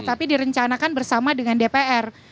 tapi direncanakan bersama dengan dpr